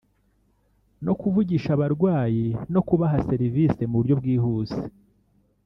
no kuvugisha abarwayi no kubaha serivise mu buryo bwihuse